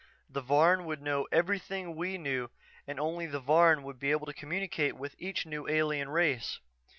The Varn would know everything we knew and only the Varn would be able to communicate with each new alien race.